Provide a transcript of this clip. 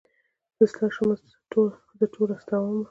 زه ستا شومه زه ټوله ستا ومه.